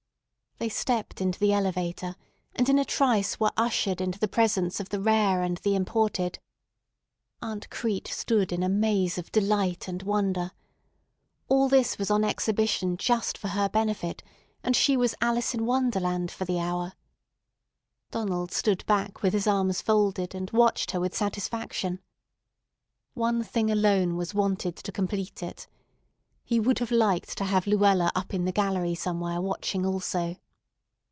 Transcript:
They stepped into the elevator, and in a trice were ushered into the presence of the rare and the imported. Aunt Crete stood in a maze of delight and wonder. All this was on exhibition just for her benefit, and she was Alice in Wonderland for the hour. Donald stood back with his arms folded, and watched her with satisfaction. One thing alone was wanted to complete it. He would have liked to have Luella up in the gallery somewhere watching also.